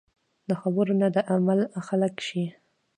د خبرو نه د عمل خلک شئ .